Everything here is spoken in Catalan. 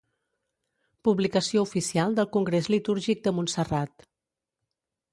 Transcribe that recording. Publicació oficial del Congrés Litúrgic de Montserrat.